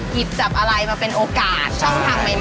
หยิบจับอะไรมาเป็นโอกาสช่องทางใหม่